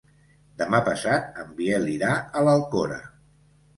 Demà passat en Biel irà a l'Alcora.